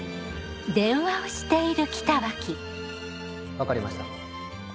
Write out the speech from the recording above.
分かりました。